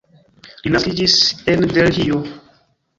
Li naskiĝis en Delhio.